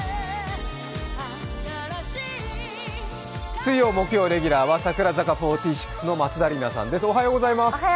水曜、木曜レギュラーは櫻坂４６の松田里奈さんです。